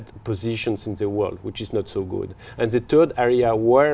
tôi nghĩ chính phủ đã chắc chắn